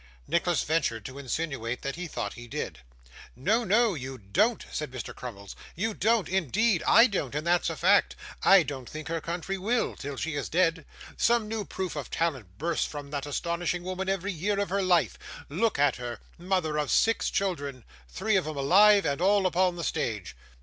Nicholas ventured to insinuate that he thought he did. 'No, no, you don't,' said Mr. Crummles; 'you don't, indeed. I don't, and that's a fact. I don't think her country will, till she is dead. Some new proof of talent bursts from that astonishing woman every year of her life. Look at her mother of six children three of 'em alive, and all upon the stage!